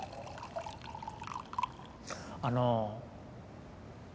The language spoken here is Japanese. あの。